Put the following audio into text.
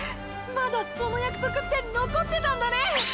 まだその約束って残ってたんだね！！